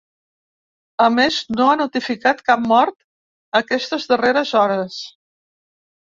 A més, no ha notificat cap mort aquestes darreres hores.